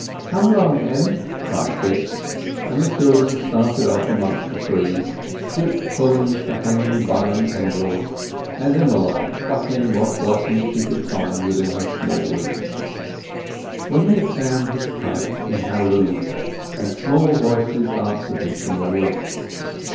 "Come 'long, Em!" cried Dick; and the children started off amongst the trees, Dick pulling at the hanging vine tendrils, and Emmeline plucking what blossoms she could find within her small reach. When he had finished his pipe he hallooed, and small voices answered him from the wood.